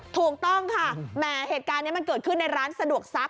ถูกต้องค่ะแหมเหตุการณ์นี้มันเกิดขึ้นในร้านสะดวกซัก